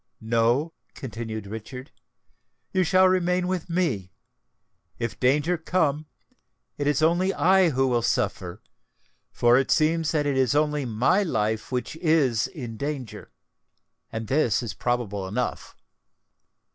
No," continued Richard, "you shall remain with me. If danger come, it is only I who will suffer—for it seems that it is only my life which is in danger. And this is probable enough."